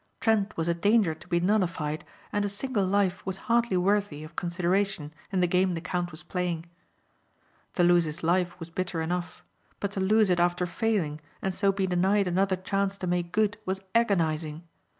Trent was a danger to be nullified and a single life was hardly worthy of consideration in the game the count was playing. To lose his life was bitter enough; but to lose it after failing and so be denied another chance to make good was agonizing.